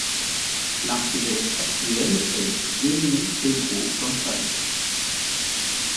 L'archevêque actuel est Jaime Pedro Gonçalves.